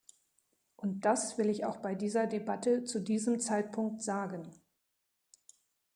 Und das will ich auch bei dieser Debatte zu diesem Zeitpunkt sagen.